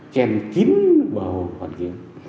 chèn chín vào hồ hoàn kiếm